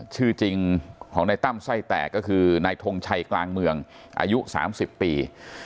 ชื่อจริงของนายตั้มไส้แตกก็คือนายทงชัยกลางเมืองอายุ๓๐ปี